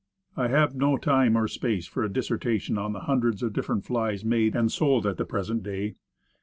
I have no time or space for a dissertation on the hundreds of different flies made and sold at the present day.